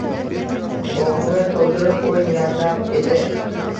Og‘zini to‘ldirib o‘y-niyatlab edi.